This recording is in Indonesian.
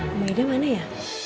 kemudian dia mana ya